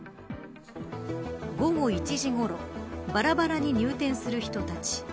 午後１時ごろばらばらに入店する人たち。